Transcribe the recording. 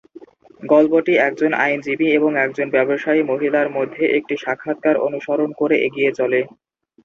গল্পটি একজন আইনজীবী এবং একজন ব্যবসায়ী মহিলার মধ্যে একটি সাক্ষাৎকার অনুসরণ করে এগিয়ে চলে।